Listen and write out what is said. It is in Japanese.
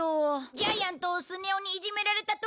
ジャイアンとスネ夫にいじめられた時は。